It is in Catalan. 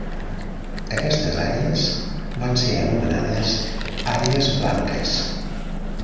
Aquestes àrees van ser anomenades "àrees blanques".